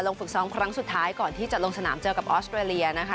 ฝึกซ้อมครั้งสุดท้ายก่อนที่จะลงสนามเจอกับออสเตรเลียนะคะ